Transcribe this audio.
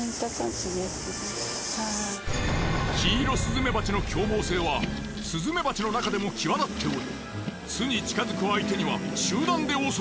キイロスズメバチの凶暴性はスズメバチの中でも際立っており巣に近づく相手には。